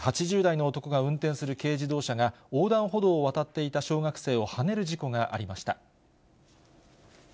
８０代の男が運転する軽自動車が、横断歩道を渡っていた小学生をはねる事故がありました。